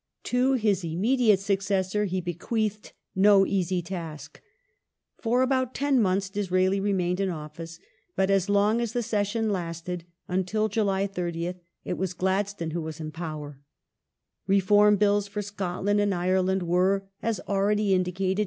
To his immediate successor he bequeathed no easy task. For Disraeli's about ten months Disraeli remained in office : but as lonff as the ^^f^. ministrv session lasted (until July 30) it was Gladstone who was in power. February Reform Bills for Scotland and Ireland were, as already indicated